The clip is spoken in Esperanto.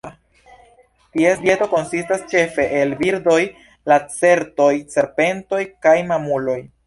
Ties dieto konsistas ĉefe el birdoj, lacertoj, serpentoj kaj mamuloj.